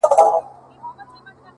په تا هيـــــڅ خــــبر نـــه يــــم’